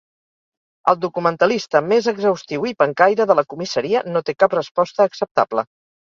El documentalista més exhaustiu i pencaire de la comissaria no té cap resposta acceptable.